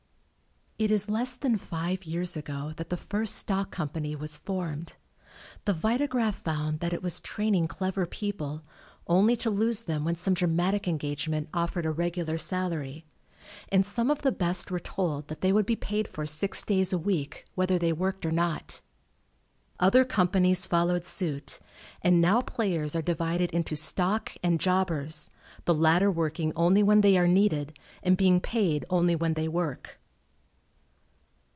It is less than five years ago that the first stock company was formed. The Vitagraph found that it was training clever people, only to lose them when some dramatic engagement offered a reg ular salary, and some of the best were told that they would be paid for six days a week, whether they worked or not. Other companies followed suit, and now players are divided into "stock" and "jobbers," the latter working only when they are needed and being paid only when they work.